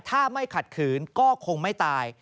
ถ้าไม่ขัดขืนก็คงไม่ตาย